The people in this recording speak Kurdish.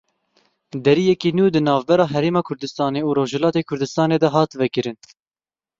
Deriyekî nû di navbera Herêma Kurdistanê û Rojhilatê Kurdistanê de hat vekirin.